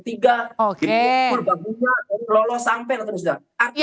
jadi pukul babunya lalu lolos sampai lho tunggu tunggu